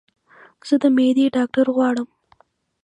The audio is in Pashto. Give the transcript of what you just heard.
زه د معدي ډاکټر غواړم